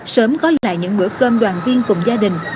sớm có lại những bữa cơm đoàn viên cùng gia đình